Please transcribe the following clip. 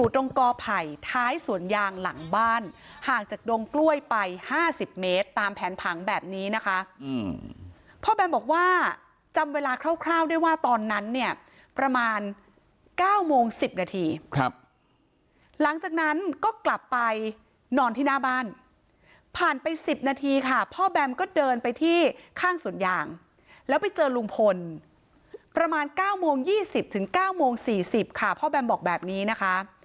ตรงกอไผ่ท้ายสวนยางหลังบ้านห่างจากดงกล้วยไป๕๐เมตรตามแผนผังแบบนี้นะคะพ่อแบมบอกว่าจำเวลาคร่าวได้ว่าตอนนั้นเนี่ยประมาณ๙โมง๑๐นาทีครับหลังจากนั้นก็กลับไปนอนที่หน้าบ้านผ่านไป๑๐นาทีค่ะพ่อแบมก็เดินไปที่ข้างสวนยางแล้วไปเจอลุงพลประมาณ๙โมง๒๐ถึง๙โมง๔๐ค่ะพ่อแบมบอกแบบนี้นะคะ